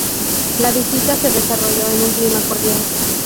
La visita se desarrolló en un clima cordial.